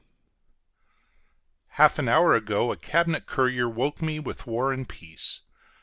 Half an hour ago a cabinet courier woke me with war and peace.